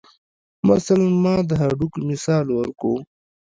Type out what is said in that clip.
مثلاً ما د هډوکو مثال ورکو.